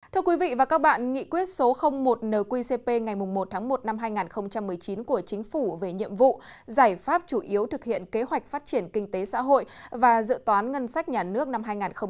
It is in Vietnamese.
thưa quý vị và các bạn nghị quyết số một nqcp ngày một tháng một năm hai nghìn một mươi chín của chính phủ về nhiệm vụ giải pháp chủ yếu thực hiện kế hoạch phát triển kinh tế xã hội và dự toán ngân sách nhà nước năm hai nghìn hai mươi